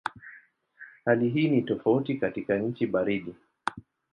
Hali hii ni tofauti katika nchi baridi.